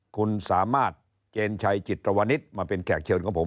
คุณสามารถเจนชัยจิตรวนิตมาเป็นแขกเชิญของผม